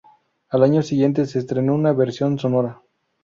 Al año siguiente, se estrenó una versión sonora.